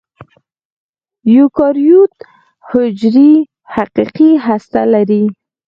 ایوکاریوت حجرې حقیقي هسته لري.